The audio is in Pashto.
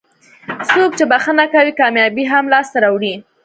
څوک چې بښنه کوي کامیابي هم لاسته راوړي.